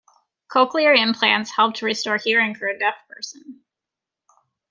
Cochlear implants help to restore hearing for a deaf person.